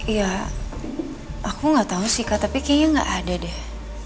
ya aku gak tau sih kak tapi kayaknya nggak ada deh